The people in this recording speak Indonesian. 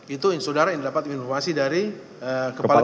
itu saudara yang dapat informasi dari kepala